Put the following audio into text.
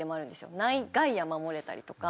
内外野守れたりとか。